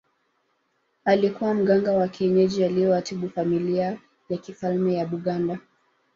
Alikuwa mganga wa kienyeji aliyewatibu familia ya kifalme ya Buganda